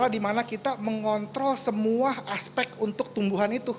dimana kita mengontrol semua aspek untuk tumbuhan itu